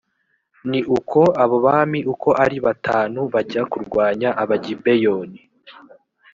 ni uko abo bami uko ari batanu bajya kurwanya abagibeyoni